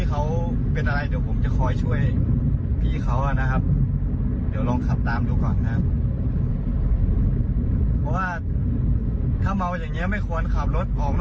เอาละขีดขวาอีกแล้วเดี๋ยวพระยาคับตามห่างแล้วกันนะ